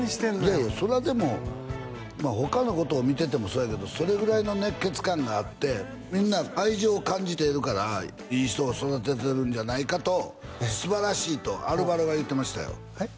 いやいやそれはでも他のことを見ててもそうやけどそれぐらいの熱血漢があってみんな愛情を感じているからいい人を育ててるんじゃないかとすばらしいとアルバロが言ってましたよはい？